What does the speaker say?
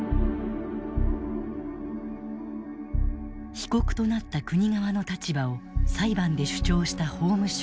被告となった国側の立場を裁判で主張した法務省。